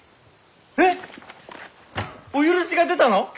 えっお許しが出たの！？